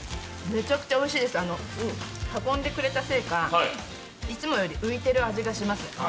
めちゃくちゃおいしいです運んでくれたせいかいつもより浮いてる味がします。